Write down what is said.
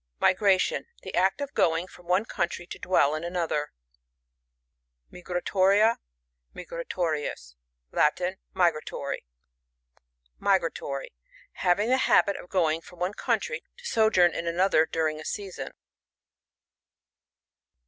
MiGRATiOiN. — The act of going* from one country to dwell in another. M.Gi.AToa.A. > Latin. Migratory. MlGRATORiUS. \ S, J Migrator r. — Having the habit of go ing from one country to sojourn in another, du ling a season.